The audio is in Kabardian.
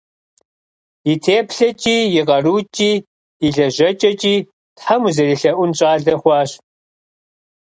И теплъэкӏи, и къарукӏи, и лэжьэкӏэкӏи Тхьэм узэрелъэӏун щӏалэ хъуащ.